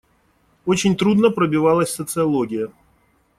Очень трудно пробивалась социология.